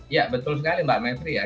ya betul sekali mbak mepri ya